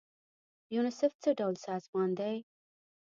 یونیسف څه ډول سازمان دی؟